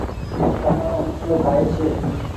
تمآرو مسلو ڪآئي ڇي۔